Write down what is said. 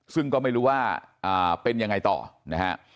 ซึ่งก็ไม่รู้ว่าเป็นยังไงต่อนะฮะ